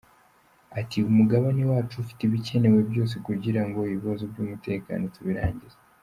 Ati “Umugabane wacu ufite ibikenewe byose kugira ngo ibibazo by’umutekano tubirangize.